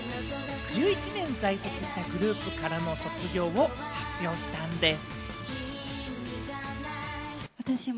１１年在籍したグループからの卒業を発表したんでぃす。